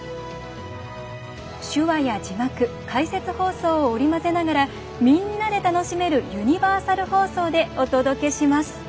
手話や字幕解説放送を織り交ぜながらみんなで楽しめるユニバーサル放送でお届けします。